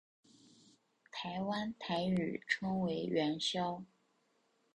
台湾台语称为元宵。